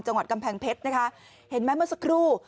จังหวัดกำแพงเพชรนะคะเห็นไหมเมื่อสักครู่